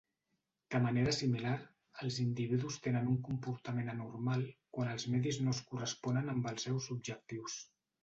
De manera similar, els individus tenen un comportament anormal quan els medis no es corresponen amb els seus objectius.